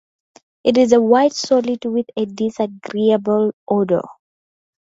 It is a white solid with a disagreeable odor.